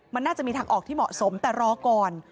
มันน่าจะมีทางออกที่เหมาะสมแต่รอก่อน